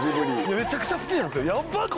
めちゃくちゃ好きなんすよヤバっ！